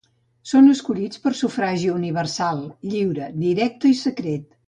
Són escollits per sufragi universal, lliure, directe i secret.